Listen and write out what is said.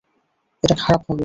এটা খারাপ হবে।